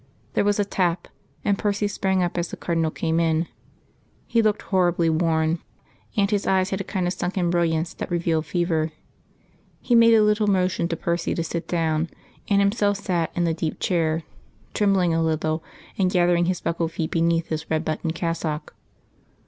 There was a tap, and Percy sprang up as the Cardinal came in. He looked horribly worn; and his eyes had a kind of sunken brilliance that revealed fever. He made a little motion to Percy to sit down, and himself sat in the deep chair, trembling a little, and gathering his buckled feet beneath his red buttoned cassock.